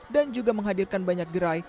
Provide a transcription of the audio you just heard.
dan juga menghadirkan banyak gerai